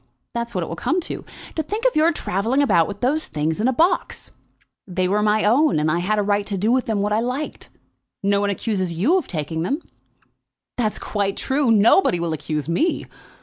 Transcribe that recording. That's what it will come to. To think of your travelling about with those things in a box!" "They were my own, and I had a right to do what I liked with them. Nobody accuses you of taking them." "That's quite true. Nobody will accuse me.